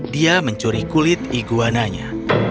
dia mencuri kulit iguananya